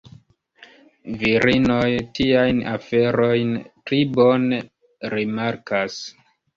Virinoj tiajn aferojn pli bone rimarkas.